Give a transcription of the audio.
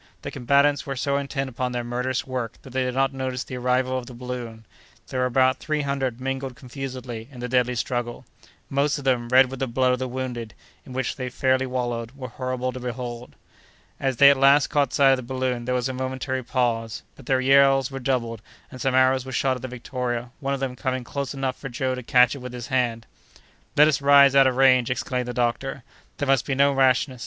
The combatants were so intent upon their murderous work that they did not notice the arrival of the balloon; there were about three hundred mingled confusedly in the deadly struggle: most of them, red with the blood of the wounded, in which they fairly wallowed, were horrible to behold. As they at last caught sight of the balloon, there was a momentary pause; but their yells redoubled, and some arrows were shot at the Victoria, one of them coming close enough for Joe to catch it with his hand. "Let us rise out of range," exclaimed the doctor; "there must be no rashness!